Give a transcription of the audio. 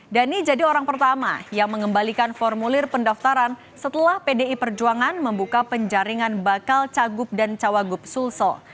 dhani jadi orang pertama yang mengembalikan formulir pendaftaran setelah pdi perjuangan membuka penjaringan bakal cagup dan cawagup sulsel